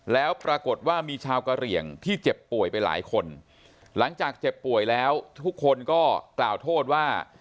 แล้วปรากฏว่ามีชาวกะเหลี่ยงที่เจ็บป่วยไปหลายคนหลังจากเจ็บป่วยแล้วทุกคนก็กล่าวโทษว่า